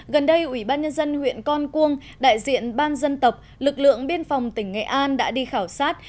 gần đây ủy ban nhân dân huyện con cuông đại diện ban dân tập lực lượng biên phòng tỉnh nghệ an đã đi khảo sát